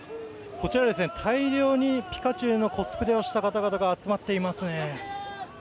こちらは大量にピカチュウのコスプレをした方々が、集まっていますね。